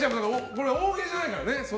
これ大喜利じゃないからね。